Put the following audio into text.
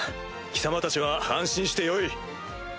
貴様たちは安心してよい。